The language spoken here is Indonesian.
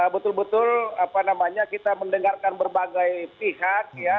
betul betul apa namanya kita mendengarkan berbagai pihak ya